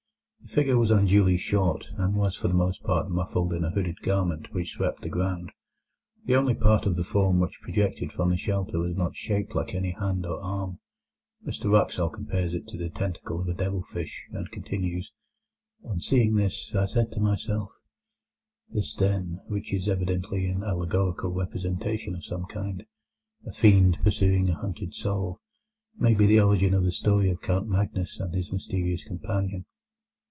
The figure was unduly short, and was for the most part muffled in a hooded garment which swept the ground. The only part of the form which projected from that shelter was not shaped like any hand or arm. Mr Wraxall compares it to the tentacle of a devil fish, and continues: "On seeing this, I said to myself, 'This, then, which is evidently an allegorical representation of some kind—a fiend pursuing a hunted soul—may be the origin of the story of Count Magnus and his mysterious companion.